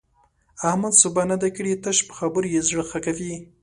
احمد سوبه نه ده کړې؛ تش په خبرو يې زړه ښه کوي.